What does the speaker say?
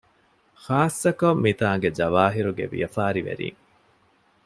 ޚާއްސަކޮށް މިތާނގެ ޖަވާހިރުގެ ވިޔަފާރިވެރީން